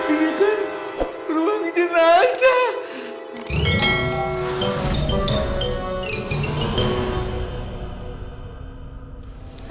ini kan ruang jenazah